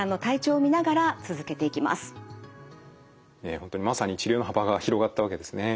本当にまさに治療の幅が広がったわけですね。